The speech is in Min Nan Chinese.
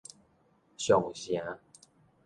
上城